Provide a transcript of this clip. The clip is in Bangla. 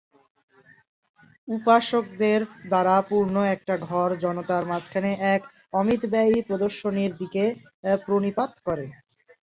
উপাসকদের দ্বারা পূর্ণ একটা ঘর, জনতার মাঝখানে এক অমিতব্যয়ী প্রদর্শনীর দিকে প্রণিপাত করে।